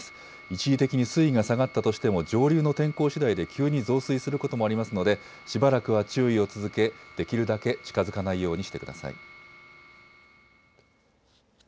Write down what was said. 一時的に水位が下がったとしても上流の天候しだいで急に増水することもありますのでしばらくは注意を続け、できるだけ近づかないようにしてください。